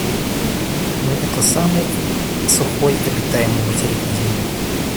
Мы — это самый сухой обитаемый материк на Земле.